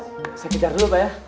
saya kejar dulu pak ya